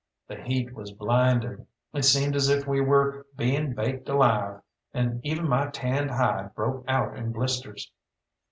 The heat was blinding; it seemed as if we were being baked alive, and even my tanned hide broke out in blisters.